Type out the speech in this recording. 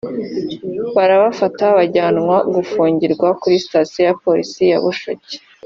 barabafata bajyanwa gufungirwa kuri Sitasiyo ya Polisi ya Bushoki